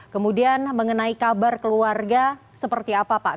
kemudian mengenai kabar keluarga seperti apa pak